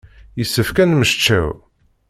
Yessefk ad nemmecčaw.